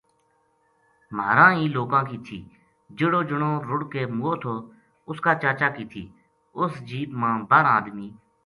مہاراں ہی لوکا ں کی تھی جیہڑو جنو رُڑ کے مُوؤ تھو اس کا چاچا کی تھی اُس جیپ ما بارہ آدمی